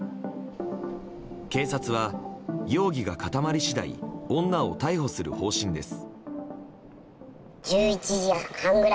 警察は容疑が固まり次第女を逮捕する方針です。